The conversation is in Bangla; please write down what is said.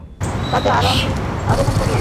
তাতে আরোহণ করলাম।